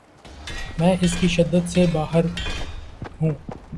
میں اس کی شدت سے باخبر ہوں۔